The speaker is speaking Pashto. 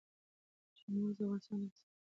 چار مغز د افغانستان د اقتصادي منابعو ارزښت زیاتوي.